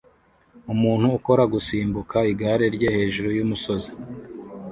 Umuntu ukora gusimbuka igare rye hejuru yumusozi